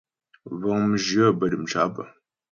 Vəŋ mjyə̂ bə́ dəmcá pə́.